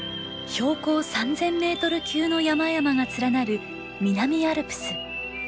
標高３，０００メートル級の山々が連なる南アルプス。